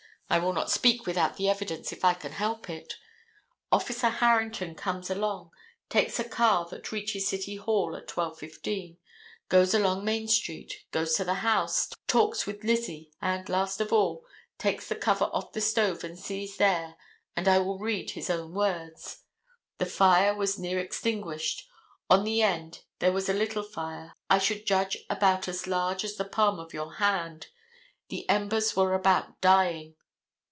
I will not speak without the evidence if I can help it. Officer Harrington comes along, takes a car that reaches city hall at 12:15, goes along Main street, goes to the house, talks with Lizzie, and, last of all, takes the cover off the stove and sees there, and I will read his own words: "The fire was near extinguished; on the end there was a little fire, I should judge about as large as the palm of my hand. The embers were about dying."